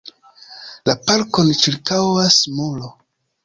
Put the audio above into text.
La parkon ĉirkaŭas muro.